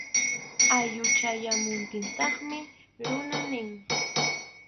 Awyun chayamuptintaqmi runa niq.